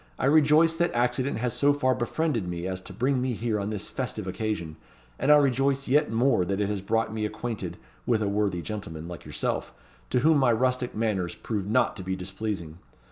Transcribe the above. I rejoice that accident has so far befriended me as to bring me here on this festive occasion; and I rejoice yet more that it has brought me acquainted with a worthy gentleman like yourself, to whom my rustic manners prove not to be displeasing.